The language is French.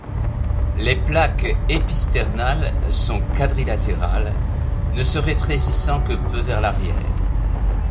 Les plaques épisternales sont quadrilatérale, ne se rétrécissant que peu vers l'arrière.